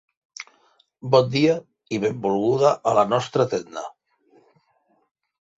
Bon dia i benvolguda a la nostra tenda!